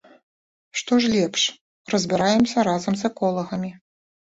Што ж лепш, разбіраемся разам з эколагамі.